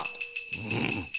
うん。